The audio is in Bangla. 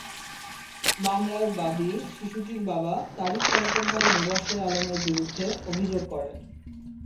মামলার বাদী শিশুটির বাবা তাঁরই খালাতো ভাই মোবাশ্বের আলমের বিরুদ্ধে অভিযোগ করেন।